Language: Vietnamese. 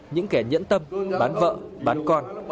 những kẻ nhẫn tâm bán vợ bán con